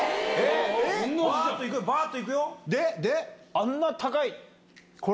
あんな高い。